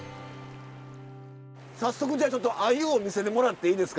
早速じゃあちょっとアユを見せてもらっていいですか？